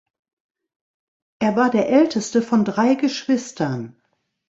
Er war der älteste von drei Geschwistern.